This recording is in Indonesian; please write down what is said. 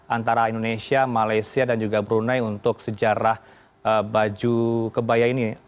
antara indonesia malaysia dan juga brunei untuk sejarah baju kebaya ini